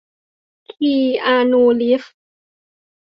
คีอานู รีฟส์